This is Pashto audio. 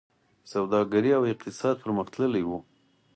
سوداګري او اقتصاد پرمختللی و